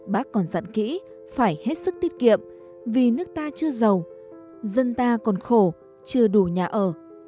bác còn dặn kỹ phải hết sức tiết kiệm vì nước ta chưa giàu dân ta còn khổ chưa đủ nhà ở